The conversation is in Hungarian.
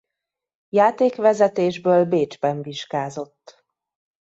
Játékvezetésből Bécsben vizsgázott.